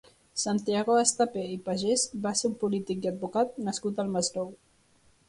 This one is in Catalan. Santiago Estapé i Pagès va ser un polític i advocat nascut al Masnou.